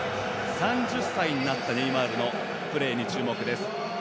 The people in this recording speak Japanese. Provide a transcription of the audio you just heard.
３０歳になったネイマールのプレーに注目です。